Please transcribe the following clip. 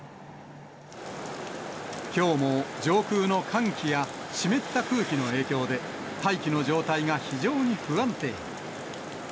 きょうも上空の寒気や湿った空気の影響で、大気の状態が非常に不安定に。